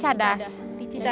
saya sudah dengan suhu